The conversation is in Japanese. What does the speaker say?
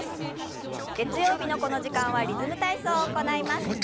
月曜日のこの時間は「リズム体操」を行います。